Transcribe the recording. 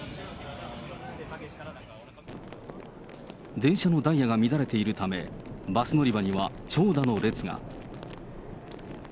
電車のダイヤが乱れているため、バス乗り場には長蛇の列が。